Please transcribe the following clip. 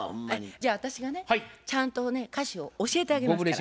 じゃあ私がねちゃんとね歌詞を教えてあげますから。